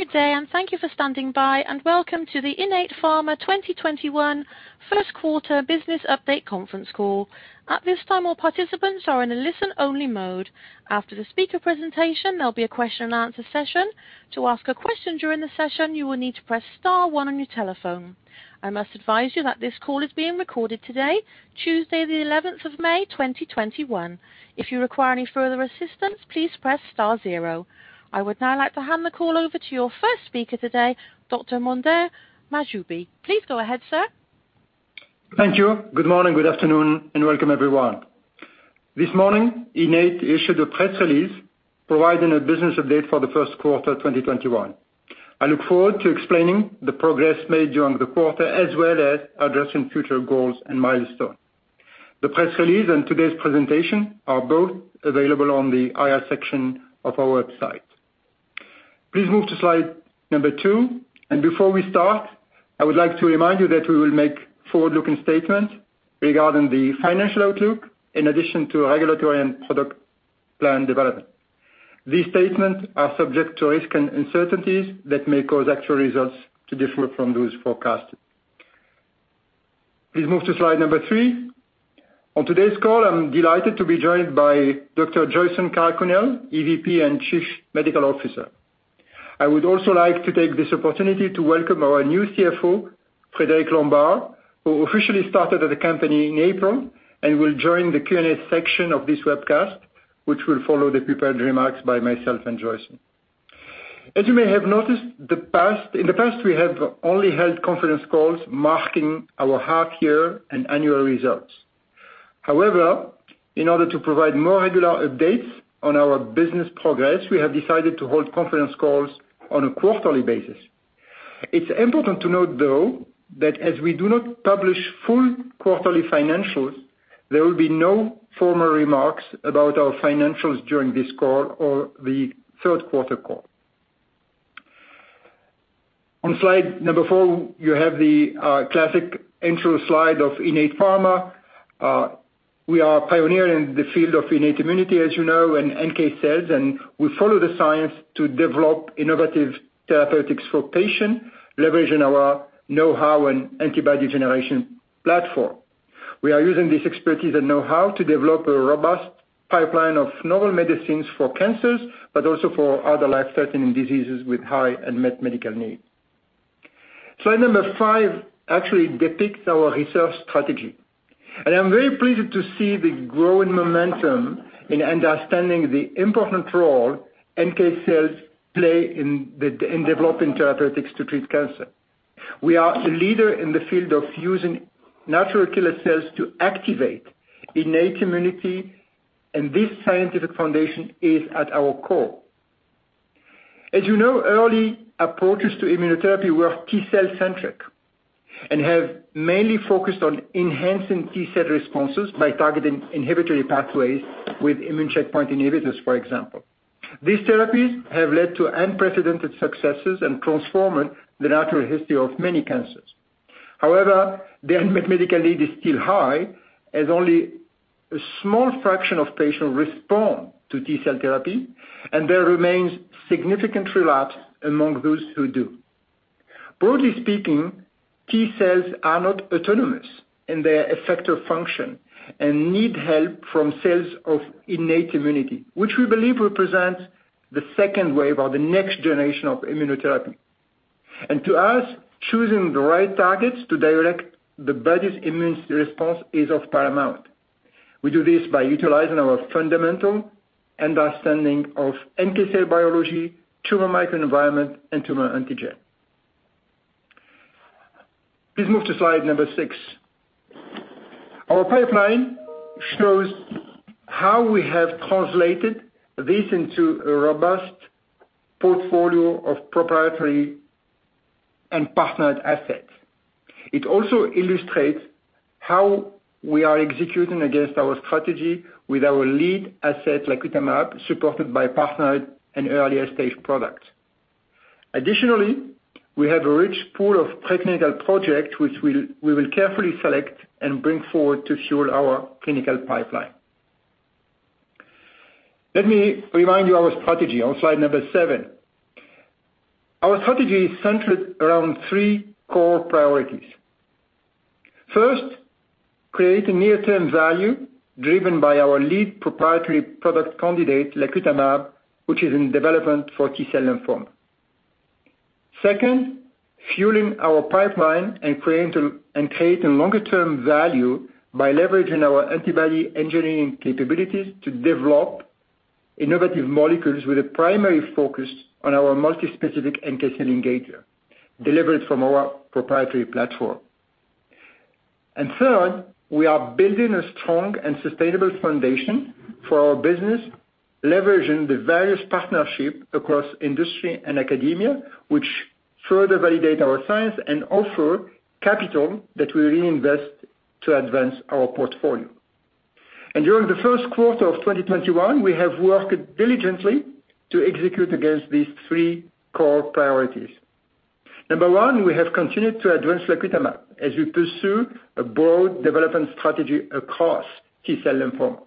Good day, and thank you for standing by, and welcome to the Innate Pharma 2021 first quarter business update conference call. At this time, all participants are in a listen-only mode. After the speaker presentation, there'll be a question and answer session. To ask a question during the session, you will need to press star one on your telephone. I must advise you that this call is being recorded today, Tuesday, the 11th of May 2021. If you require any further assistance, please press star zero. I would now like to hand the call over to your first speaker today, Dr. Mondher Mahjoubi. Please go ahead, sir. Thank you. Good morning, good afternoon, and welcome everyone. This morning, Innate issued a press release providing a business update for the first quarter, 2021. I look forward to explaining the progress made during the quarter, as well as addressing future goals and milestones. The press release and today's presentation are both available on the IR section of our website. Please move to slide number two, and before we start, I would like to remind you that we will make forward-looking statements regarding the financial outlook in addition to regulatory and product plan development. These statements are subject to risks and uncertainties that may cause actual results to differ from those forecasted. Please move to slide number three. On today's call, I'm delighted to be joined by Dr. Joyson Karakunnel, EVP and Chief Medical Officer. I would also like to take this opportunity to welcome our new CFO, Frederic Lombard, who officially started at the company in April and will join the Q&A section of this webcast, which will follow the prepared remarks by myself and Joyson. As you may have noticed, in the past we have only held conference calls marking our half year and annual results. However, in order to provide more regular updates on our business progress, we have decided to hold conference calls on a quarterly basis. It's important to note, though, that as we do not publish full quarterly financials, there will be no formal remarks about our financials during this call or the third quarter call. On slide number four, you have the classic intro slide of Innate Pharma. We are a pioneer in the field of innate immunity, as you know, and NK cells, and we follow the science to develop innovative therapeutics for patients, leveraging our know-how and antibody generation platform. We are using this expertise and know-how to develop a robust pipeline of novel medicines for cancers, but also for other life-threatening diseases with high unmet medical need. Slide number five actually depicts our research strategy. I'm very pleased to see the growing momentum in understanding the important role NK cells play in developing therapeutics to treat cancer. We are a leader in the field of using natural killer cells to activate innate immunity, and this scientific foundation is at our core. As you know, early approaches to immunotherapy were T cell centric and have mainly focused on enhancing T cell responses by targeting inhibitory pathways with immune checkpoint inhibitors, for example. These therapies have led to unprecedented successes and transformed the natural history of many cancers. However, the unmet medical need is still high, as only a small fraction of patients respond to T cell therapy, and there remains significant relapse among those who do. Broadly speaking, T cells are not autonomous in their effector function and need help from cells of innate immunity, which we believe represents the second wave or the next generation of immunotherapy. To us, choosing the right targets to direct the body's immune response is of paramount. We do this by utilizing our fundamental understanding of NK cell biology, tumor microenvironment, and tumor antigen. Please move to slide number six. Our pipeline shows how we have translated this into a robust portfolio of proprietary and partnered assets. It also illustrates how we are executing against our strategy with our lead asset, lacutamab, supported by partnered and earlier stage products. We have a rich pool of technical projects, which we will carefully select and bring forward to fuel our clinical pipeline. Let me remind you our strategy on slide number seven. Our strategy is centered around three core priorities. First, creating near-term value driven by our lead proprietary product candidate, lacutamab, which is in development for T-cell lymphoma. Second, fueling our pipeline and creating longer-term value by leveraging our antibody engineering capabilities to develop innovative molecules with a primary focus on our multi-specific NK cell engager, delivered from our proprietary platform. Third, we are building a strong and sustainable foundation for our business, leveraging the various partnerships across industry and academia, which further validate our science and offer capital that we reinvest to advance our portfolio. During the first quarter of 2021, we have worked diligently to execute against these three core priorities. Number one, we have continued to advance lacutamab as we pursue a broad development strategy across T-cell lymphoma.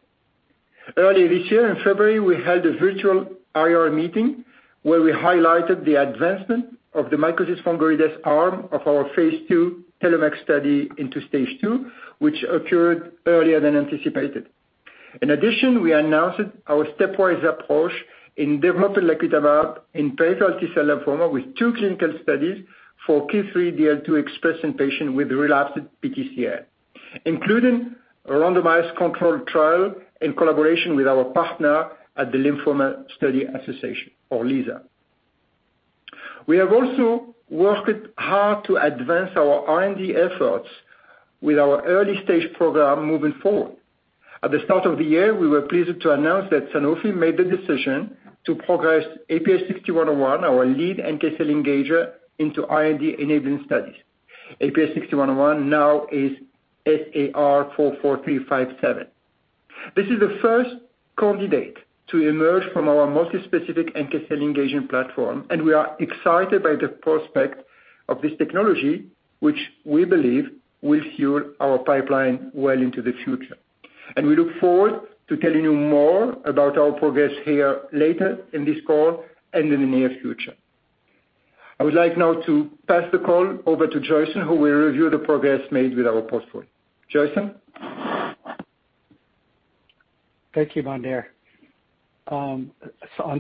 Earlier this year in February, we held a virtual IR meeting where we highlighted the advancement of the mycosis fungoides arm of our phase II TELLOMAK study into stage II, which occurred earlier than anticipated. In addition, we announced our stepwise approach in developing lacutamab in peripheral T-cell lymphoma with two clinical studies for KIR3DL2 expressed in patient with relapsed PTCL, including a randomized control trial in collaboration with our partner at the Lymphoma Study Association or LYSA. We have also worked hard to advance our R&D efforts with our early-stage program moving forward. At the start of the year, we were pleased to announce that Sanofi made the decision to progress IPH6101, our lead NK-cell engager into R&D enabling studies. IPH6101 now is SAR 443579. This is the first candidate to emerge from our multi-specific NK-cell engagement platform. We are excited by the prospect of this technology, which we believe will fuel our pipeline well into the future. We look forward to telling you more about our progress here later in this call and in the near future. I would like now to pass the call over to Joyson, who will review the progress made with our portfolio. Joyson? Thank you, Mondher. On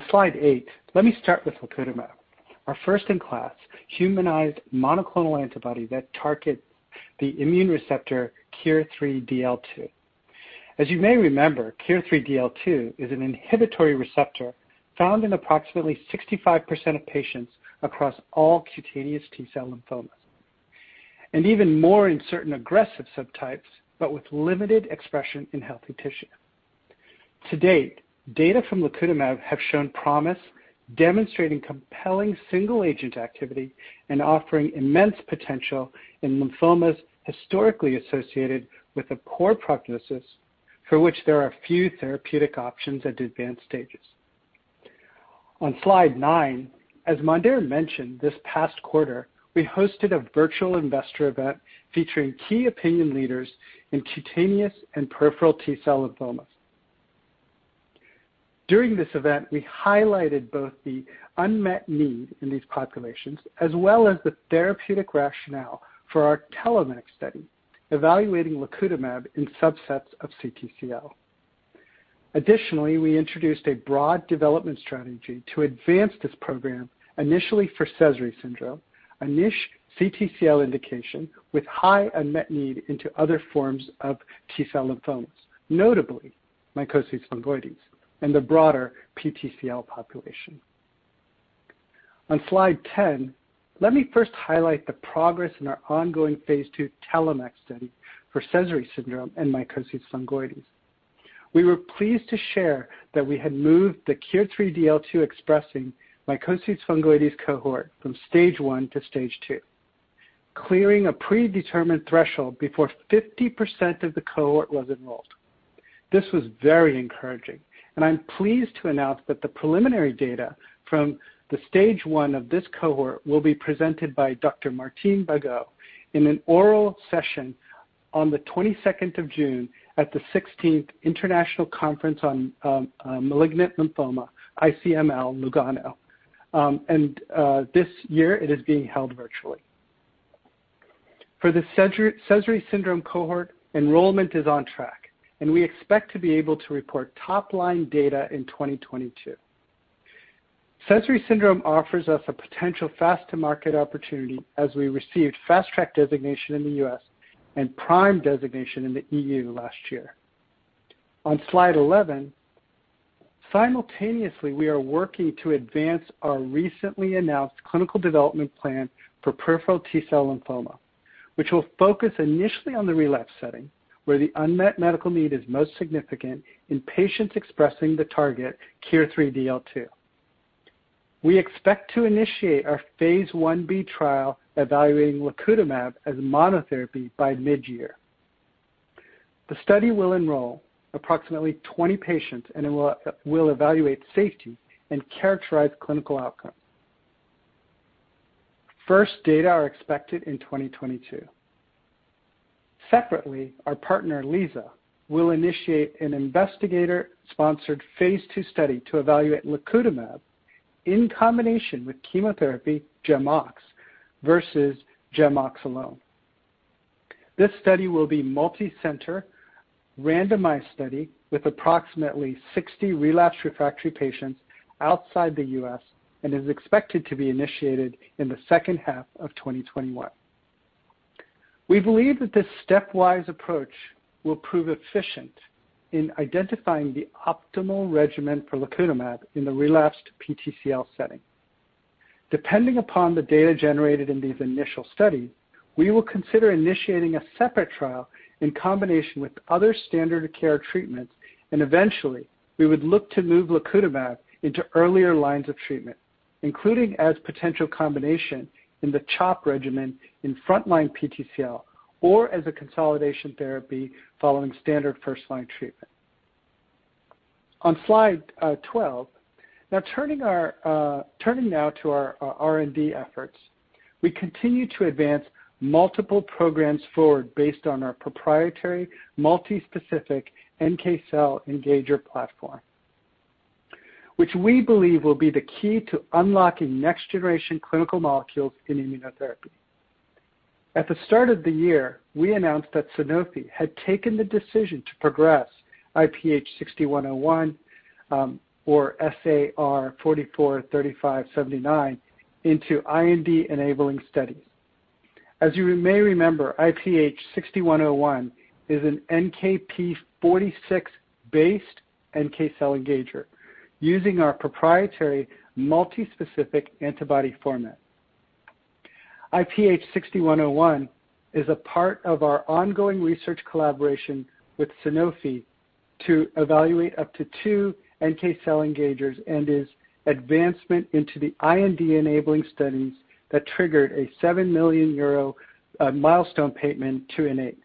slide eight, let me start with lacutamab, our first-in-class humanized monoclonal antibody that targets the immune receptor KIR3DL2. As you may remember, KIR3DL2 is an inhibitory receptor found in approximately 65% of patients across all cutaneous T-cell lymphomas, and even more in certain aggressive subtypes, but with limited expression in healthy tissue. To date, data from lacutamab have shown promise, demonstrating compelling single-agent activity and offering immense potential in lymphomas historically associated with a poor prognosis, for which there are few therapeutic options at advanced stages. On slide nine, as Mondher mentioned, this past quarter, we hosted a virtual investor event featuring key opinion leaders in cutaneous and peripheral T-cell lymphomas. During this event, we highlighted both the unmet need in these populations, as well as the therapeutic rationale for our TELLOMAK study, evaluating lacutamab in subsets of CTCL. Additionally, we introduced a broad development strategy to advance this program initially for Sézary syndrome, a niche CTCL indication with high unmet need into other forms of T-cell lymphomas, notably mycosis fungoides and the broader PTCL population. On slide 10, let me first highlight the progress in our ongoing phase II TELLOMAK study for Sézary syndrome and mycosis fungoides. We were pleased to share that we had moved the KIR3DL2-expressing mycosis fungoides cohort from stage one to stage two, clearing a predetermined threshold before 50% of the cohort was enrolled. This was very encouraging, I'm pleased to announce that the preliminary data from the stage one of this cohort will be presented by Dr. Martine Bagot in an oral session on the 22nd of June at the 16th International Conference on Malignant Lymphoma, ICML Lugano. This year it is being held virtually. For the Sézary syndrome cohort, enrollment is on track. We expect to be able to report top-line data in 2022. Sézary syndrome offers us a potential fast-to-market opportunity as we received Fast Track designation in the U.S. and PRIME designation in the EU last year. On slide 11, simultaneously, we are working to advance our recently announced clinical development plan for peripheral T-cell lymphoma, which will focus initially on the relapse setting, where the unmet medical need is most significant in patients expressing the target KIR3DL2. We expect to initiate our phase I-B trial evaluating lacutamab as monotherapy by mid-year. The study will enroll approximately 20 patients and will evaluate safety and characterize clinical outcome. First data are expected in 2022. Separately, our partner, LYSA, will initiate an investigator-sponsored phase II study to evaluate lacutamab in combination with chemotherapy, GEMOX, versus GEMOX alone. This study will be multi-center randomized study with approximately 60 relapsed refractory patients outside the U.S. and is expected to be initiated in the second half of 2021. We believe that this stepwise approach will prove efficient in identifying the optimal regimen for lacutamab in the relapsed PTCL setting. Depending upon the data generated in these initial studies, we will consider initiating a separate trial in combination with other standard care treatments, eventually, we would look to move lacutamab into earlier lines of treatment, including as potential combination in the CHOP regimen in frontline PTCL, or as a consolidation therapy following standard first-line treatment. On slide 12. Turning now to our R&D efforts. We continue to advance multiple programs forward based on our proprietary multi-specific NK cell engager platform, which we believe will be the key to unlocking next generation clinical molecules in immunotherapy. At the start of the year, we announced that Sanofi had taken the decision to progress IPH6101, or SAR443579 into IND-enabling studies. As you may remember, IPH6101 is an NKp46-based NK cell engager using our proprietary multi-specific antibody format. IPH6101 is a part of our ongoing research collaboration with Sanofi to evaluate up to two NK cell engagers and its advancement into the IND-enabling studies that triggered a 7 million euro milestone payment to Innate.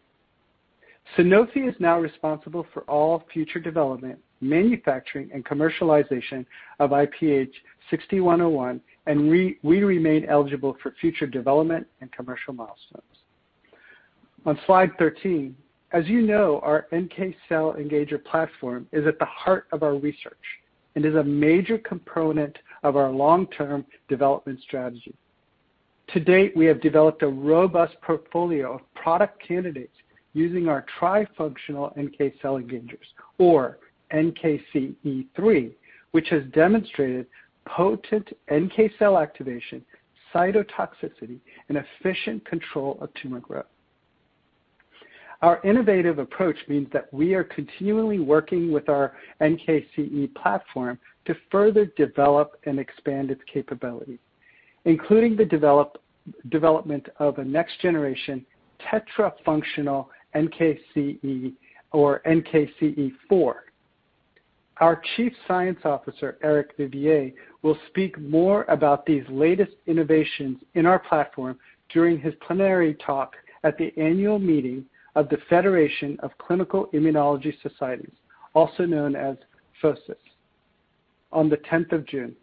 Sanofi is now responsible for all future development, manufacturing, and commercialization of IPH6101, and we remain eligible for future development and commercial milestones. On slide 13, as you know, our NK cell engager platform is at the heart of our research and is a major component of our long-term development strategy. To date, we have developed a robust portfolio of product candidates using our tri-functional NK cell engagers, or NKCE3, which has demonstrated potent NK cell activation, cytotoxicity, and efficient control of tumor growth. Our innovative approach means that we are continually working with our NKCE platform to further develop and expand its capability, including the development of a next generation tetra-functional NKCE or NKCE4. Our Chief Scientific Officer, Eric Vivier, will speak more about these latest innovations in our platform during his plenary talk at the annual meeting of the Federation of Clinical Immunology Societies, also known as FOCIS, on the 10th of June.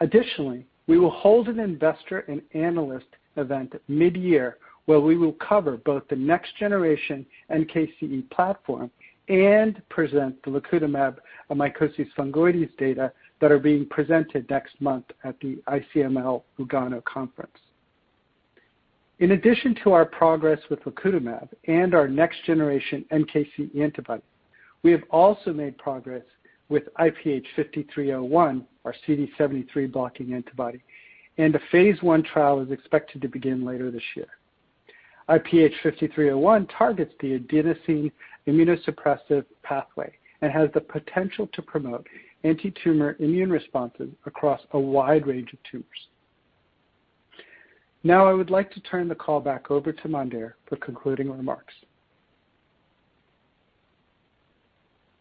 Additionally, we will hold an investor and analyst event mid-year where we will cover both the next generation NKCE platform and present the lacutamab and mycosis fungoides data that are being presented next month at the ICML Lugano conference. In addition to our progress with lacutamab and our next generation NKCE antibody, we have also made progress with IPH5301, our CD73-blocking antibody, and the phase I trial is expected to begin later this year. IPH5301 targets the adenosine immunosuppressive pathway and has the potential to promote antitumor immune responses across a wide range of tumors. Now I would like to turn the call back over to Mondher for concluding remarks.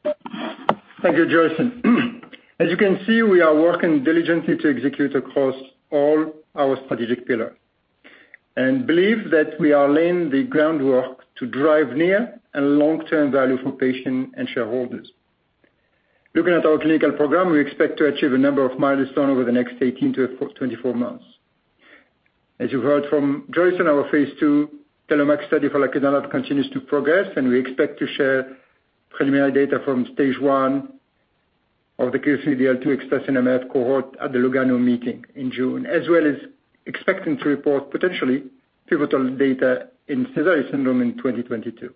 Thank you, Joyson. As you can see, we are working diligently to execute across all our strategic pillar and believe that we are laying the groundwork to drive near and long-term value for patient and shareholders. Looking at our clinical program, we expect to achieve a number of milestones over the next 18-24 months. As you heard from Joyson, our phase II TELLOMAK study for lacutamab continues to progress, and we expect to share preliminary data from stage one of the CTCL to express MF cohort at the Lugano meeting in June, as well as expecting to report potentially pivotal data in Sézary syndrome in 2022.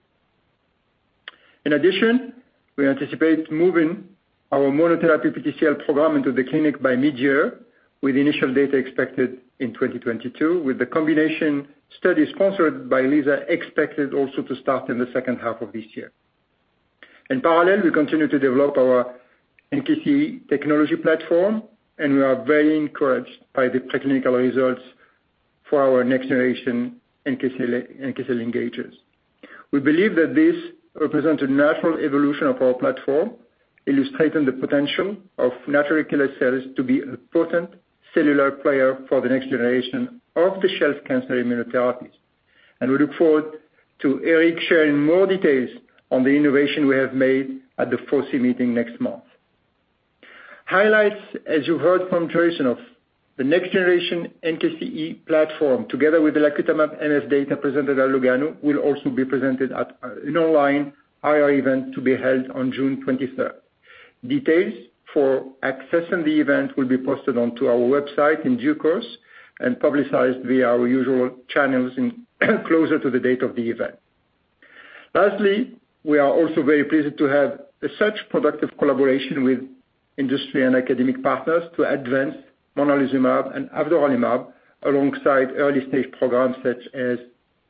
In addition, we anticipate moving our monotherapy PTCL program into the clinic by mid-year, with initial data expected in 2022, with the combination study sponsored by LYSA expected also to start in the second half of this year. In parallel, we continue to develop our NKCE technology platform, and we are very encouraged by the preclinical results for our next generation NK cell engagers. We believe that this represents a natural evolution of our platform, illustrating the potential of natural killer cells to be an important cellular player for the next generation off-the-shelf cancer immunotherapies. We look forward to Eric sharing more details on the innovation we have made at the FOCIS meeting next month. Highlights, as you heard from Joyson, of the next generation NKCE platform, together with the lacutamab MF data presented at Lugano, will also be presented at an online IR event to be held on June 23rd. Details for accessing the event will be posted onto our website in due course and publicized via our usual channels in closer to the date of the event. We are also very pleased to have such productive collaboration with industry and academic partners to advance monalizumab and avdoralimab alongside early stage programs such as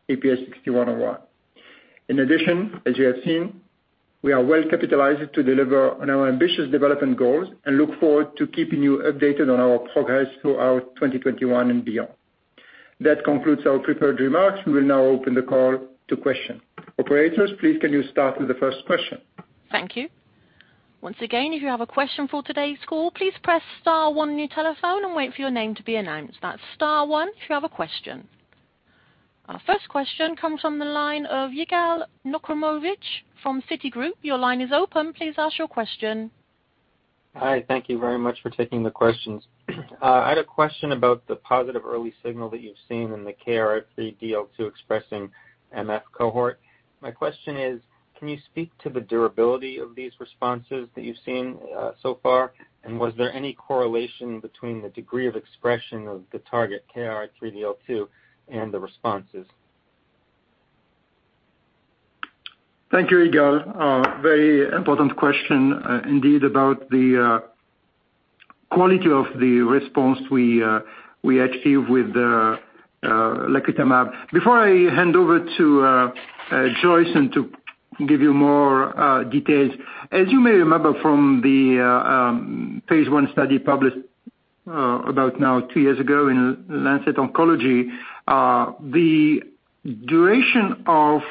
IPH6101. As you have seen, we are well capitalized to deliver on our ambitious development goals and look forward to keeping you updated on our progress throughout 2021 and beyond. That concludes our prepared remarks. We will now open the call to question. Operators, please can you start with the first question? Thank you. Once again, if you have a question for today's call, please press star one on your telephone and wait for your name to be announced. That's star one if you have a question. Our first question comes from the line of Yigal Nochomovitz from Citigroup. Hi. Thank you very much for taking the questions. I had a question about the positive early signal that you've seen in the KIR3DL2 expressing MF cohort. My question is, can you speak to the durability of these responses that you've seen so far? Was there any correlation between the degree of expression of the target KIR3DL2 and the responses? Thank you, Yigal. Very important question indeed about the quality of the response we achieve with the lacutamab. Before I hand over to Joyson to give you more details, as you may remember from the phase I study published about now two years ago in The Lancet Oncology, the duration of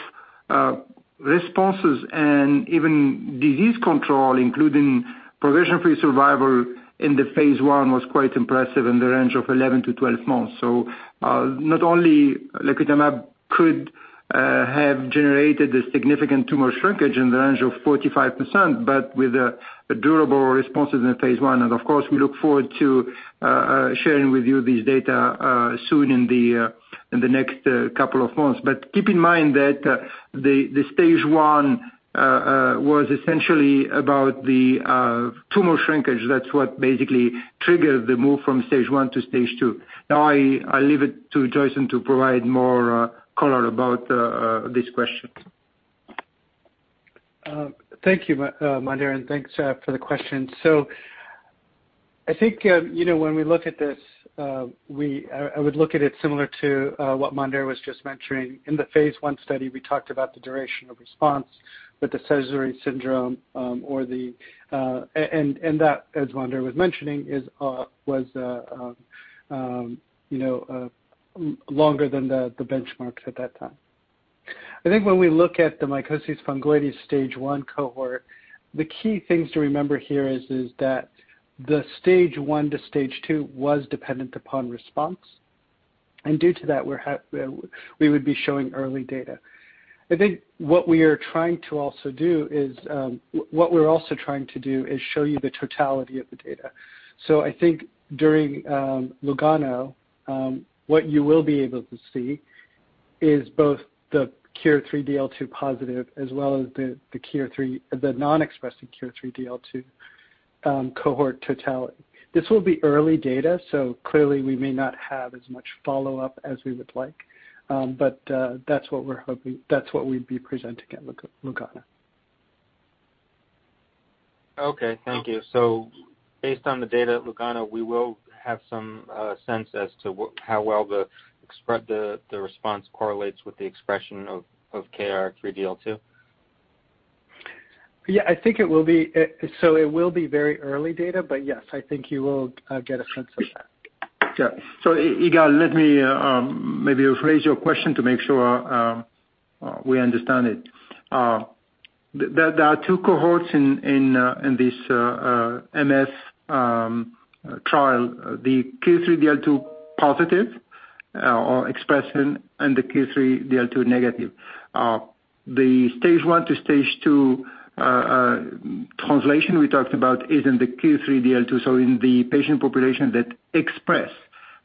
responses and even disease control, including progression-free survival into phase I, was quite impressive in the range of 11-12 months. Not only lacutamab could have generated a significant tumor shrinkage in the range of 45%, but with durable responses in phase I. Of course, we look forward to sharing with you this data soon in the next couple of months. Keep in mind that the stage one was essentially about the tumor shrinkage. That's what basically triggered the move from stage one to stage two. Now I leave it to Joyson to provide more color about this question. Thank you, Mondher, and thanks for the question. I think when we look at this, I would look at it similar to what Mondher was just mentioning. In the phase I study, we talked about the duration of response with the Sézary syndrome, and that, as Mondher was mentioning, was longer than the benchmarks at that time. I think when we look at the mycosis fungoides stage one cohort, the key things to remember here is that the stage one to stage two was dependent upon response, and due to that, we would be showing early data. I think what we're also trying to do is show you the totality of the data. I think during Lugano, what you will be able to see is both the KIR3DL2 positive as well as the non-expressing KIR3DL2 cohort totality. This will be early data, so clearly we may not have as much follow-up as we would like. That's what we'd be presenting at Lugano. Okay, thank you. Based on the data at Lugano, we will have some sense as to how well the spread, the response correlates with the expression of KIR3DL2? Yeah, I think it will be. It will be very early data, but yes, I think you will get a sense of that. Yeah. Yigal, let me maybe rephrase your question to make sure we understand it. There are two cohorts in this MF trial, the KIR3DL2 positive or expression, and the KIR3DL2 negative. The stage one to stage two translation we talked about is in the KIR3DL2, in the patient population that express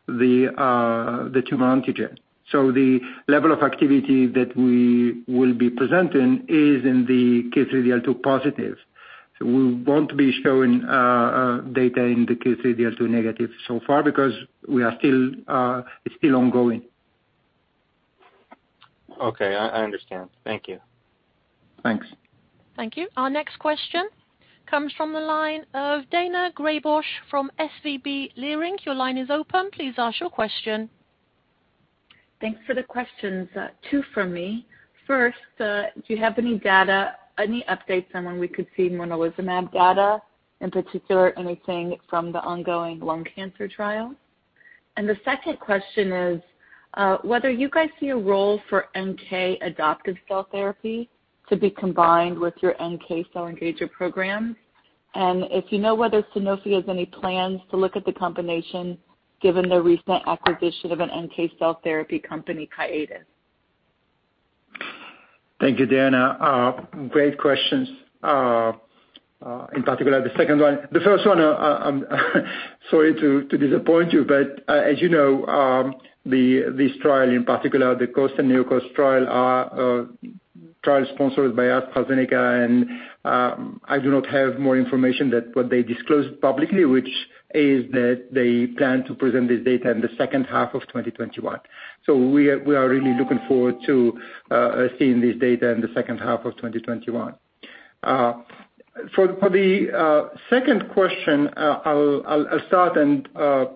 the tumor antigen. The level of activity that we will be presenting is in the KIR3DL2 positive. We won't be showing data in the KIR3DL2 negative so far because it's still ongoing. Okay, I understand. Thank you. Thanks. Thank you. Our next question comes from the line of Daina Graybosch from SVB Leerink. Your line is open. Please ask your question. Thanks for the questions. Two from me. First, do you have any data, any updates on when we could see monalizumab data, in particular, anything from the ongoing lung cancer trial? The second question is, whether you guys see a role for NK adoptive cell therapy to be combined with your NK cell engager program. If you know whether Sanofi has any plans to look at the combination given the recent acquisition of an NK cell therapy company, Kiadis. Thank you, Daina. Great questions, in particular the second one. The first one, I'm sorry to disappoint you, as you know, this trial, in particular, the COAST and NeoCOAST trial, are trials sponsored by us, AstraZeneca, I do not have more information than what they disclosed publicly, which is that they plan to present this data in the second half of 2021. We are really looking forward to seeing this data in the second half of 2021. For the second question, I'll start and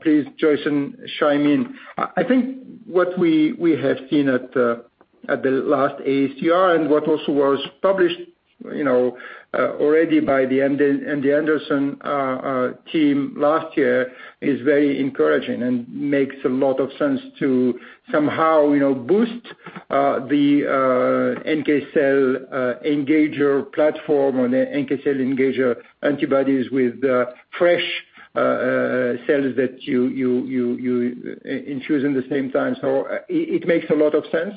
please, Joyson, chime in. I think what we have seen at the last AACR and what also was published already by the MD Anderson team last year is very encouraging and makes a lot of sense to somehow boost the NK cell engager platform or NK cell engager antibodies with fresh cells that you infuse in the same time. It makes a lot of sense.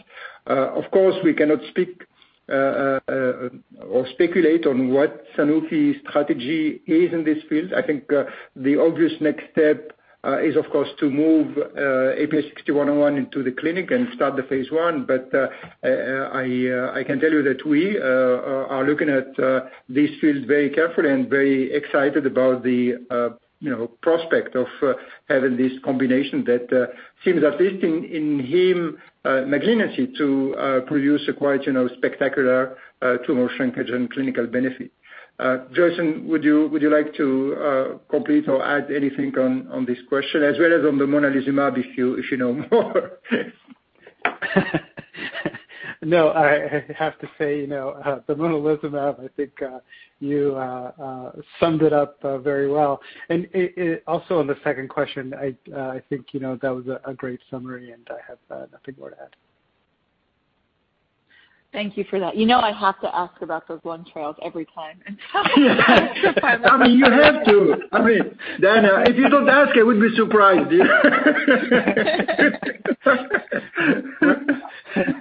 Of course, we cannot speak or speculate on what Sanofi's strategy is in this field. I think the obvious next step is, of course, to move IPH6101 into the clinic and start the phase I. I can tell you that we are looking at this field very carefully and very excited about the prospect of having this combination that seems at least in heme malignancy to produce a quite spectacular tumor shrinkage and clinical benefit. Joyson, would you like to complete or add anything on this question as well as on the monalizumab, if you know more? No, I have to say, the Monalizumab, I think you summed it up very well. Also on the second question, I think that was a great summary, and I have nothing more to add. Thank you for that. You know I have to ask about those phase I trials every time. Yeah. I mean, you have to. I mean, Daina, if you don't ask, I would be surprised.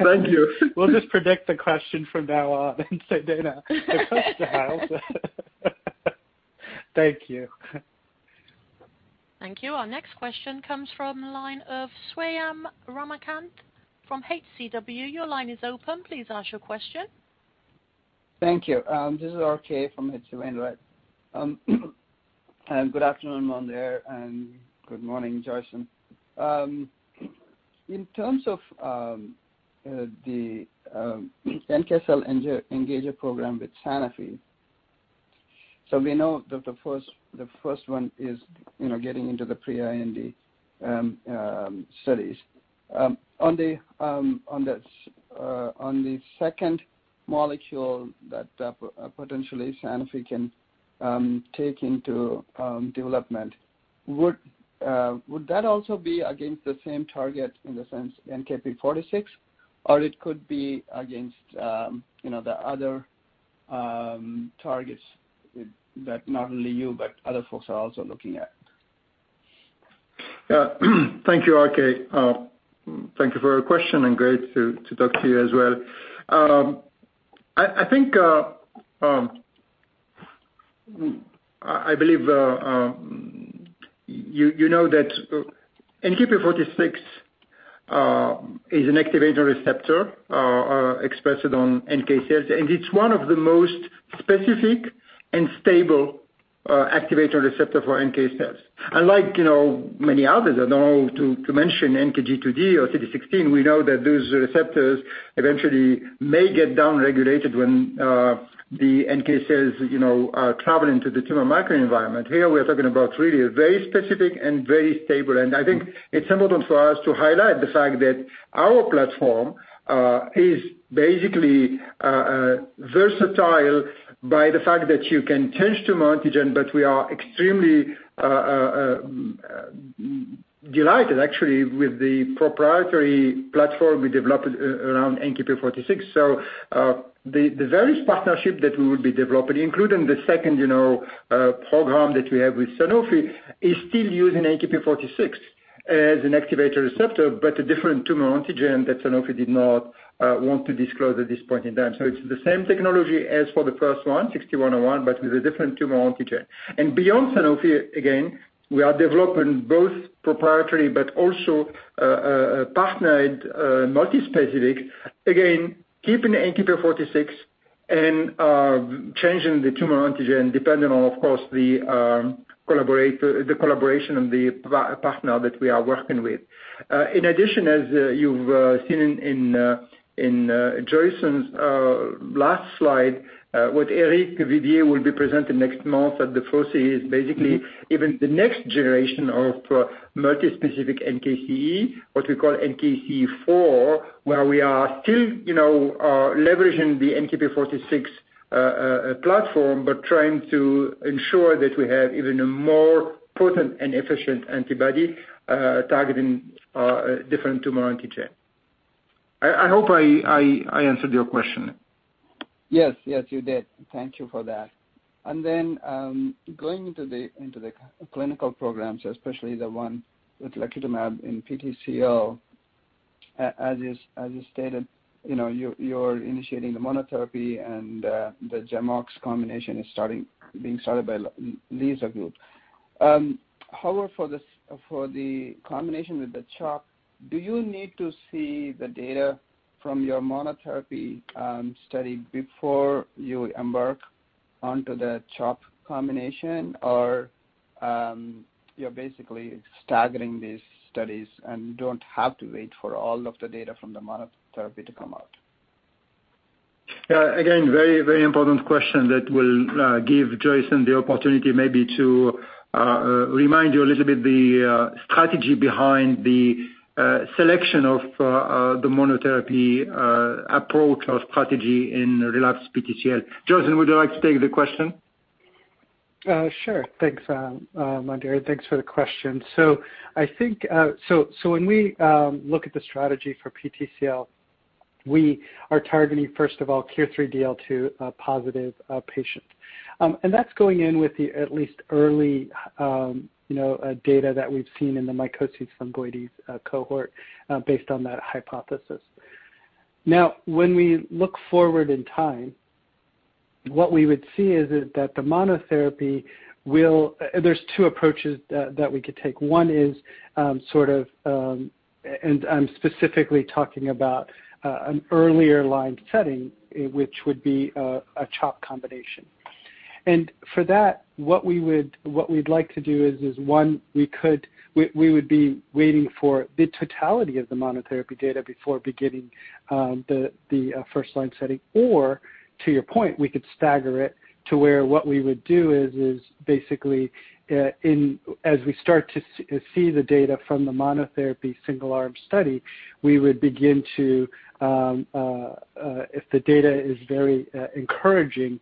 Thank you. We'll just predict the question from now on and say, Daina, it's those trials. Thank you. Thank you. Our next question comes from the line of Ramakanth Swayampakula from H.C. Wainwright. Your line is open. Please ask your question. Thank you. This is RK from HCW. Good afternoon, Mondher, and good morning, Joyson. In terms of the NK cell engager program with Sanofi, so we know that the first one is getting into the pre-IND studies. On the second molecule that potentially Sanofi can take into development, would that also be against the same target in the sense NKp46, or it could be against the other targets that not only you but other folks are also looking at? Thank you, RK. Thank you for your question. Great to talk to you as well. I believe you know that NKp46 is an activator receptor expressed on NK cells. It's one of the most specific and stable activator receptor for NK cells. Unlike many others, I don't know to mention NKG2D or CD16, we know that those receptors eventually may get downregulated when the NK cells are traveling to the tumor microenvironment. Here we are talking about really a very specific and very stable. I think it's important for us to highlight the fact that our platform is basically versatile by the fact that you can change the monta gent. We are extremely delighted, actually, with the proprietary platform we developed around NKp46. The various partnership that we would be developing, including the second program that we have with Sanofi, is still using NKp46 as an activator receptor, but a different tumor antigen that Sanofi did not want to disclose at this point in time. It's the same technology as for the first one, 6101, but with a different tumor antigen. Beyond Sanofi, again, we are developing both proprietary but also a partnered multi-specific. Again, keeping the NKp46 and changing the tumor antigen depending on, of course, the collaboration and the partner that we are working with. In addition, as you've seen in Joyson's last slide, what Eric Vivier will be presenting next month at the FOCIS is basically even the next generation of multi-specific NKCE, what we call NKCE4, where we are still leveraging the NKp46 platform, but trying to ensure that we have even a more potent and efficient antibody targeting a different tumor antigen. I hope I answered your question. Yes, you did. Thank you for that. Going into the clinical programs, especially the one with lacutamab in PTCL, as you stated, you're initiating the monotherapy and the GEMOX combination is being started by Liisa Bayko. However, for the combination with the CHOP, do you need to see the data from your monotherapy study before you embark onto the CHOP combination? Or you're basically staggering these studies and don't have to wait for all of the data from the monotherapy to come out? Very important question that will give Joyson the opportunity maybe to remind you a little bit the strategy behind the selection of the monotherapy approach or strategy in relapsed PTCL. Joyson, would you like to take the question? Sure. Thanks, Mondher, and thanks for the question. When we look at the strategy for PTCL, we are targeting, first of all, KIR3DL2-positive patients. That's going in with the at least early data that we've seen in the mycosis fungoides cohort based on that hypothesis. When we look forward in time, what we would see is that the monotherapy there's two approaches that we could take. One is sort of, and I'm specifically talking about an earlier line setting, which would be a CHOP combination. For that, what we'd like to do is, one, we would be waiting for the totality of the monotherapy data before beginning the first-line setting. To your point, we could stagger it to where what we would do is basically, as we start to see the data from the monotherapy single-arm study, we would begin to, if the data is very encouraging,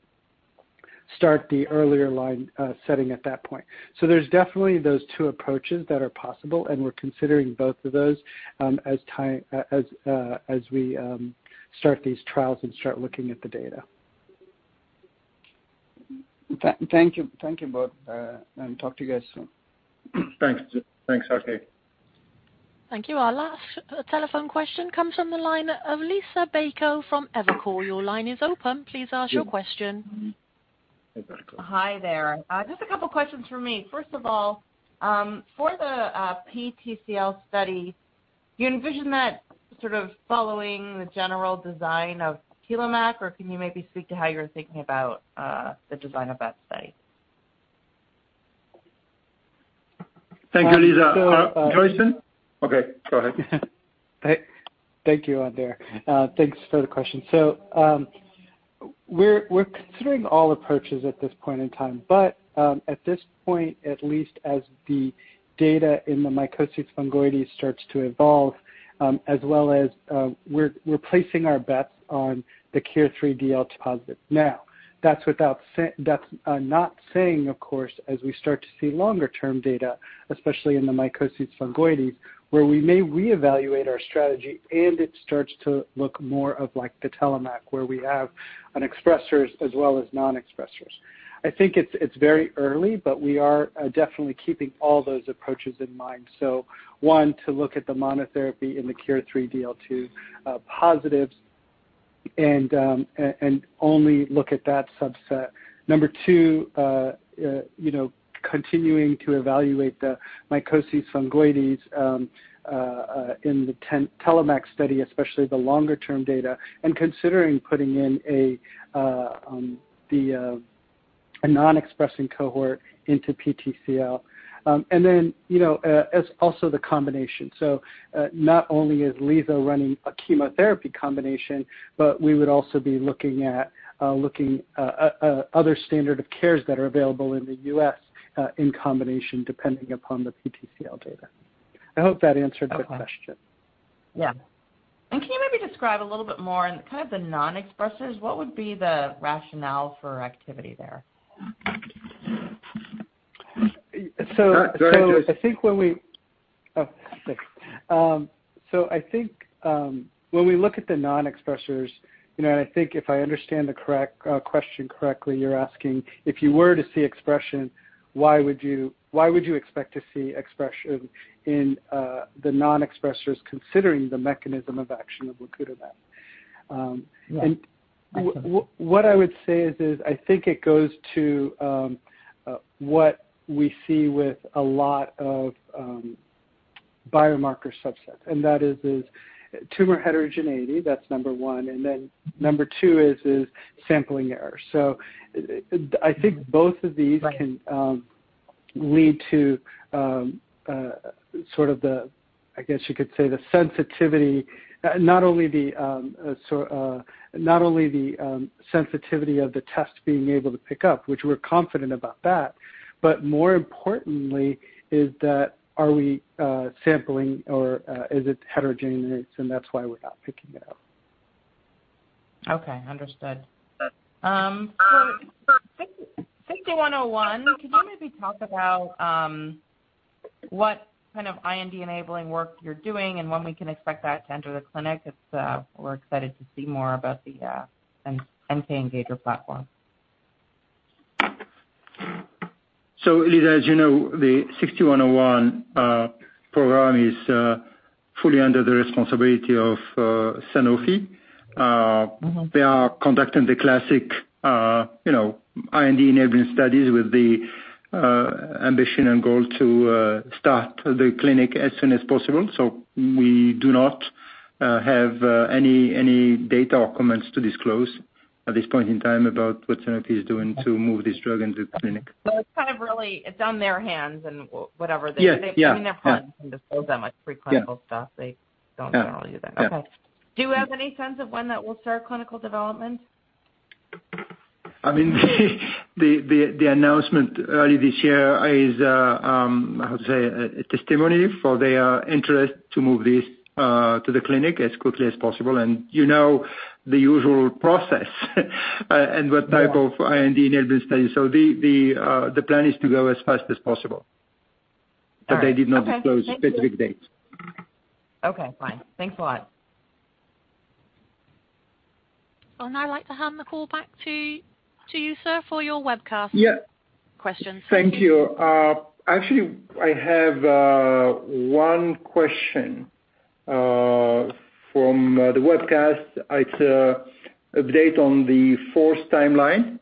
start the earlier line setting at that point. There's definitely those two approaches that are possible, and we're considering both of those as we start these trials and start looking at the data. Thank you. Thank you both, and talk to you guys soon. Thanks. Thanks, RK. Thank you. Our last telephone question comes from the line of Liisa Bayko from Evercore. Your line is open. Please ask your question. Hi, Bayko. Hi there. Just a couple of questions from me. First of all, for the PTCL study, do you envision that sort of following the general design of TELLOMAK? Can you maybe speak to how you're thinking about the design of that study? Thank you, Liisa. Joyson? Okay, go ahead. Thank you, Mondher Mahjoubi. Thanks for the question. We're considering all approaches at this point in time, but at this point, at least as the data in the mycosis fungoides starts to evolve, as well as we're placing our bets on the KIR3DL2 positive. That's not saying, of course, as we start to see longer-term data, especially in the mycosis fungoides, where we may reevaluate our strategy, and it starts to look more of like the TELLOMAK where we have an expressers as well as non-expressers. I think it's very early, but we are definitely keeping all those approaches in mind. One, to look at the monotherapy in the KIR3DL2 positives and only look at that subset. Two, continuing to evaluate the mycosis fungoides in the TELLOMAK study, especially the longer-term data, and considering putting in a non-expressing cohort into PTCL. As also the combination. Not only is LYSA running a chemotherapy combination, but we would also be looking at other standard of cares that are available in the U.S. in combination, depending upon the PTCL data. I hope that answered the question. Yeah. Can you maybe describe a little bit more on kind of the non-expressers? What would be the rationale for activity there? Go ahead, Joyson. I think when we look at the non-expressers, I think if I understand the question correctly, you're asking if you were to see expression, why would you expect to see expression in the non-expressers considering the mechanism of action of lacutamab? What I would say is, I think it goes to what we see with a lot of biomarker subsets, and that is tumor heterogeneity, that's number one, and then number two is sampling error. I think both of these can lead to sort of the, I guess you could say the sensitivity, not only the sensitivity of the test being able to pick up, which we're confident about that, but more importantly is that are we sampling or is it heterogeneous, and that's why we're not picking it up. Okay. Understood. 6101, can you maybe talk about what kind of IND-enabling work you're doing and when we can expect that to enter the clinic? We're excited to see more about the NK Engager platform. Liisa, as you know, the 6101 program is fully under the responsibility of Sanofi. They are conducting the classic IND-enabling studies with the ambition and goal to start the clinic as soon as possible. We do not have any data or comments to disclose at this point in time about what Sanofi is doing to move this drug into clinic. Well, it's kind of really, it's on their hands. Yeah. They're pretty upfront and disclose that much preclinical stuff. They don't generally do that. Okay. Do you have any sense of when that will start clinical development? I mean the announcement early this year is, I would say, a testimony for their interest to move this to the clinic as quickly as possible. You know the usual FOCIS of IND-enabling study. The plan is to go as fast as possible. They did not disclose specific dates. Okay, fine. Thanks a lot. I'd like to hand the call back to you, sir, for your webcast- Yeah. Questions. Thank you. Actually, I have one question from the webcast. It's update on the FORCE timeline.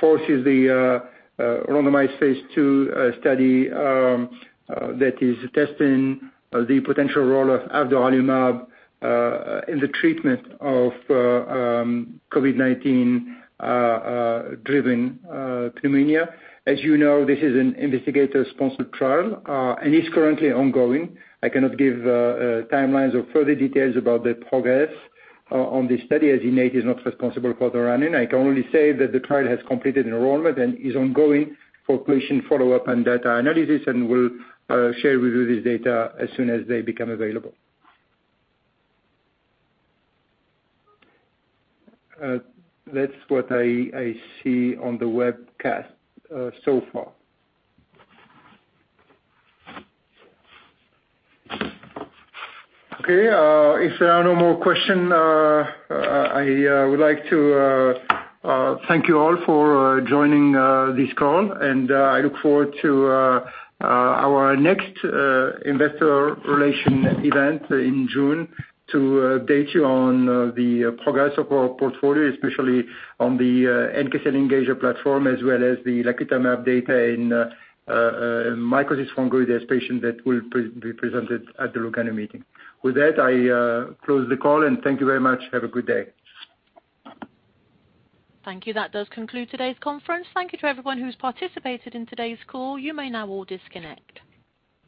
FORCE is the randomized phase II study that is testing the potential role of avdoralimab in the treatment of COVID-19 driven pneumonia. As you know, this is an investigator-sponsored trial, and it's currently ongoing. I cannot give timelines or further details about the progress on this study, as Innate is not responsible for the running. I can only say that the trial has completed enrollment and is ongoing for patient follow-up and data analysis, and we'll share with you this data as soon as they become available. That's what I see on the webcast so far. Okay, if there are no more question, I would like to thank you all for joining this call, and I look forward to our next investor relation event in June to update you on the progress of our portfolio, especially on the NK cell engager platform, as well as the lacutamab data in mycosis fungoides patients that will be presented at the Lugano meeting. With that, I close the call, and thank you very much. Have a good day. Thank you. That does conclude today's conference. Thank you to everyone who's participated in today's call. You may now all disconnect.